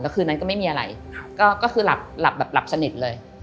แล้วคืนนั้นก็ไม่มีอะไรก็คือหลับสนิทเลย